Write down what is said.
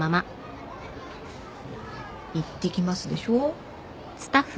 「いってきます」でしょ？